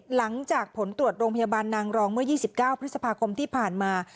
หลังจากผลตรวจโรงพยาบาลนางรองเมื่อ๒๙พฤษภาคมที่ผ่านมา